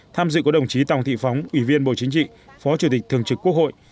tham dự có đồng chí tòng thị phóng ủy viên bộ chính trị phó chủ tịch thường trực quốc hội